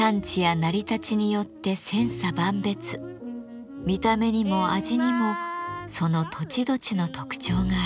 見た目にも味にもその土地土地の特徴が現れます。